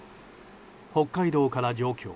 北海道から上京。